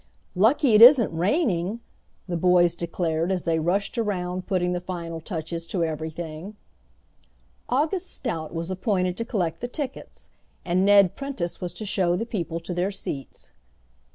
"Lucky it isn't raining," the boys declared as they rushed around putting the final touches to everything. August Stout was appointed to collect the tickets, and Ned Prentice was to show the people to their seats.